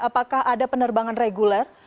apakah ada penerbangan reguler